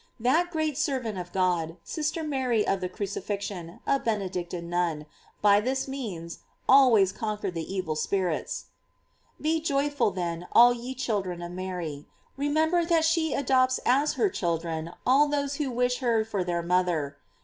That great servant of God, Sister Mary of the Crucifixion, a Benedictine nun, by this means always conquered the evil spirits. Be joyful then, all ye children of Mary; re member that she adopts as her children all those who wish her for their mother.